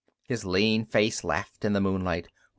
His lean face laughed in the moonlight.